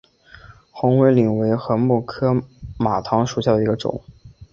红尾翎为禾本科马唐属下的一个种。